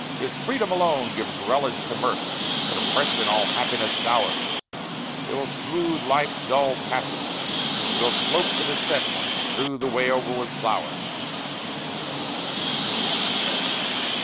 'Tis freedom alone gives a relish to mirth, But oppression all happiness sours; It will smooth life's dull passage, 'twill slope the descent, And strew the way over with flowers.